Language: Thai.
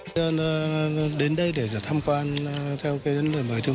ซึ่งเคยถือมีการซึ่งประโยชน์อื่น